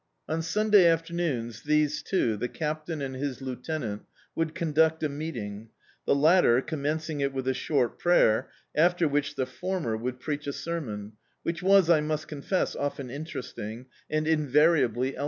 On Sunday afternoons, these two, the Captain and his Lieutenant, would conduct a meeting; the latter commencing it with a short prayer, after which the former would preach a sermon which was, I must craifess, often interesting, and invariably elo D,i.